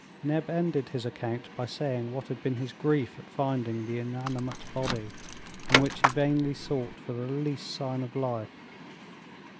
Neb ended his account by saying what had been his grief at finding the inanimate body, in which he vainly sought for the least sign of life.